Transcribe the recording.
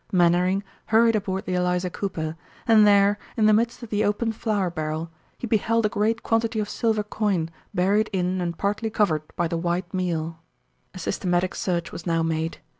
Mainwaring hurried aboard the Eliza Cooper, and there in the midst of the open flour barrel he beheld a great quantity of silver coin buried in and partly covered by the white meal. A systematic search was now made.